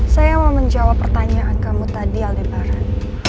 saya mau menjawab pertanyaan kamu tadi aldebaran